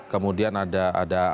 kemudian ada apa namanya